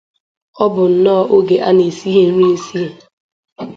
Ọ bụ nnọọ oge a na-esighe nri esighe